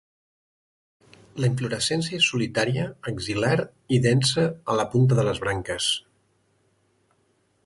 La inflorescència és solitària, axil·lar i densa a la punta de les branques.